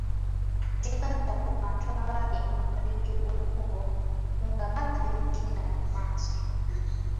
Yeegatta ku bantu abaali emabbali w’ekkubo nga balaba ebigenda mu maaso.